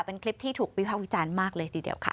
เป็นคลิปที่ถูกวิภาควิจารณ์มากเลยทีเดียวค่ะ